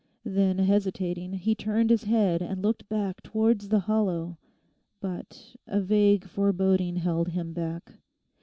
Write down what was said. Then, hesitating, he turned his head and looked back towards the hollow. But a vague foreboding held him back.